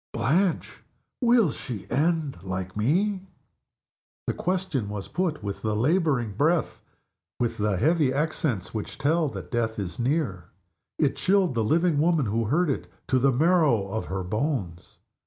Blanche! Will she end like Me?" The question was put with the laboring breath, with the heavy accents which tell that death is near. It chilled the living woman who heard it to the marrow of her bones.